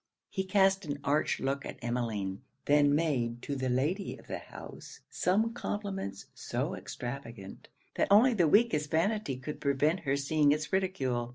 He cast an arch look at Emmeline; then made to the Lady of the house some compliments so extravagant, that only the weakest vanity could prevent her seeing its ridicule.